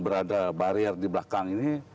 berada barier di belakang ini